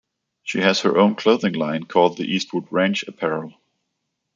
She has her own clothing line, called the "Eastwood Ranch Apparel".